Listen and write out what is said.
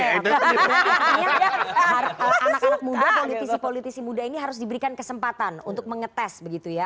akhirnya anak anak muda politisi politisi muda ini harus diberikan kesempatan untuk mengetes begitu ya